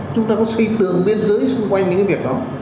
chúng ta có xây tượng biên giới xung quanh những cái việc đó